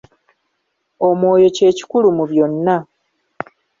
Omwoyo kye kikulu mu byonna.